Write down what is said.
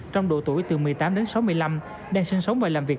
trong độ tuổi từ một mươi tám đến sáu mươi năm đang sinh sống và làm việc